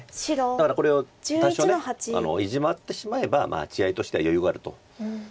だからこれを多少イジメてしまえば地合いとしては余裕があると。